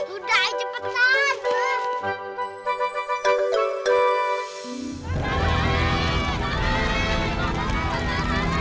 udah aja cepetan